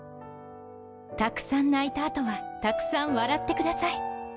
たくさん泣いた後はたくさん笑ってください。